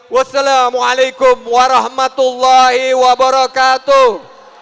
wassalamualaikum warahmatullahi wabarakatuh